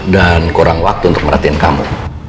dan kurang waktu untuk merhatiin kamu